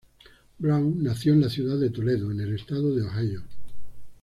Brown nació en la ciudad de Toledo, en el estado de Ohio.